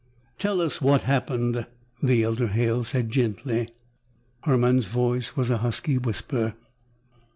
"Tell us what happened," the elder Halle said gently. Hermann's voice was a husky whisper.